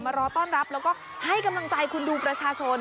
รอต้อนรับแล้วก็ให้กำลังใจคุณดูประชาชน